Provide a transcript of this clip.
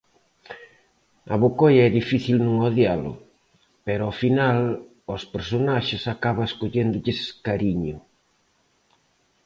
A Bocoi é difícil non odialo, pero ao final aos personaxes acabas colléndolles cariño.